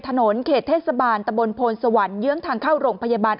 ถนนเขตเทศบาลตะบนโพนสวรรค์เยื้องทางเข้าโรงพยาบาล